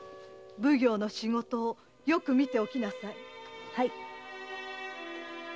奉行の仕事をよく見ておきなさい。